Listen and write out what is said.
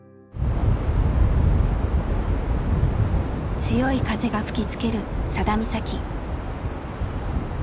強い風が吹きつける佐田岬。